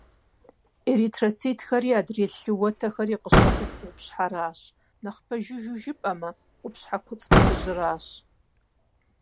Эритроцитхэри адрей лъы уэтэхэри къыщыхъур къупщхьэхэращ. Нэхъ пэжыжу жыпӏэмэ, къупщхьэ куцӏ плъыжьращ.